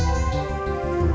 aku mau ke rumah